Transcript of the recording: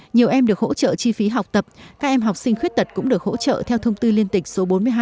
nhiều em được hỗ trợ chi phí học tập các em học sinh khuyết tật cũng được hỗ trợ theo thông tư liên tịch số bốn mươi hai